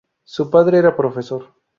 Su padre era profesor.